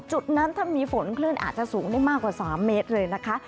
จุดนั้นถ้ามีฝนคลื่นอาจจะสูงได้มากกว่า๓เมตรเลยนะคะ